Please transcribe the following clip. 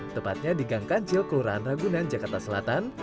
tepatnya di gang kancil kelurahan ragunan jakarta selatan